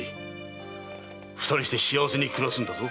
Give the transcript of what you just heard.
二人して幸せに暮らすんだぞ。